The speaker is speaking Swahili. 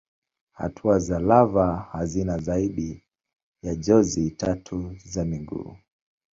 Hatua za lava hazina zaidi ya jozi tatu za miguu.